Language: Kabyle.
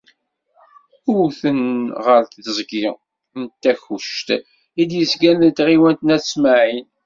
Uwn-ten ɣer teẓgi n Takkuct i d-yezgan deg tɣiwant n At Smaεel.